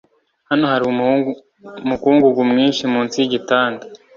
Hano hari umukungugu mwinshi munsi yigitanda